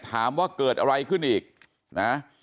ถามว่าเกิดอะไรขึ้นอีกนะ